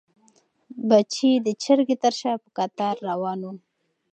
بچي د چرګې تر شا په کتار روان وو.